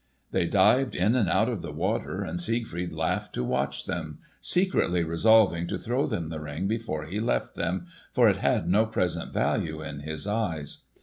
They dived in and out of the water and Siegfried laughed to watch them, secretly resolving to throw them the Ring before he left them, for it had no present value in his eyes.